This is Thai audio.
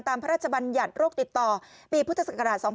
ตามพระราชบัญญัตรโรคติดต่อปีพศ๒๕๕๘